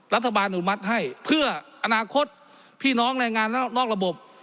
อนุมัติให้เพื่ออนาคตพี่น้องแรงงานนอกระบบ